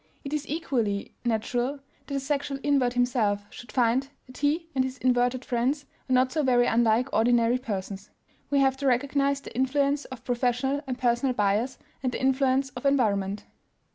It is equally natural that the sexual invert himself should find that he and his inverted friends are not so very unlike ordinary persons. We have to recognize the influence of professional and personal bias and the influence of environment.